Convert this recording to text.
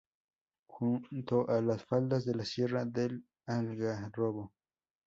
Junto a las faldas de la Sierra del Algarrobo.